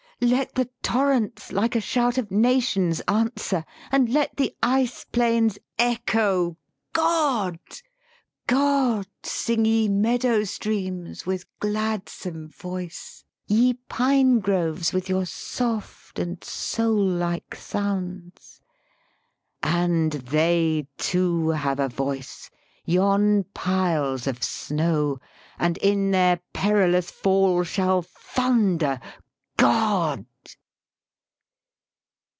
let the torrents, like a shout of nations, Answer! and let the ice plains echo, God! God! sing ye meadow streams with gladsome voice ! Ye pine groves, with your soft and soul like sounds ! And they too have a voice, yon piles of snow, And in their perilous fall shall thunder, God!